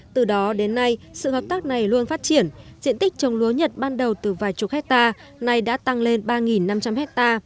từ đó đến nay sự hợp tác này luôn phát triển diện tích trồng lúa nhật ban đầu từ vài chục hectare nay đã tăng lên ba năm trăm linh hectare